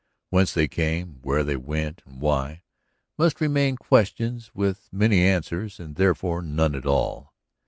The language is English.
Whence they came, where they went, and why, must long remain questions with many answers and therefore none at all.